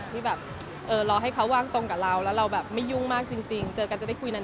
ที่แบบเออรอให้เขาว่างตรงกับเราแล้วเราแบบไม่ยุ่งมากจริงเจอกันจะได้คุยนาน